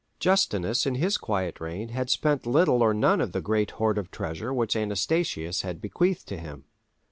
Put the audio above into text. Justinus in his quiet reign had spent little or none of the great hoard of treasure which Anastasius had bequeathed to him.